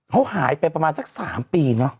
เขาหายไปประมาณสัก๓ปีเนอะ